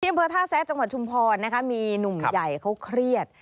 อำเภอท่าแซะจังหวัดชุมพรนะคะมีหนุ่มใหญ่เขาเครียด